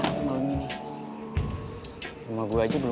sebenernya raya dan mama nggak lagi kemana mana